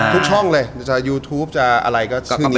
ทุกช่องเลยจะยูทูปจะอะไรก็ชื่อนี้มาเลย